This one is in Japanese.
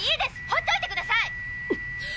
ほっといてください！